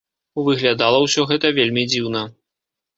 Выглядала ўсё гэта вельмі дзіўна.